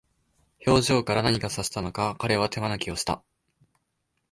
表情から何か察したのか、彼は手招きをした。